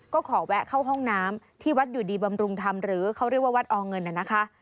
ก็ขอแวะเข้าห้องน้ำที่วัดอยู่ดีบำรุงธรรมหรือเขาเรียกว่าวัดอเงินน่ะนะคะ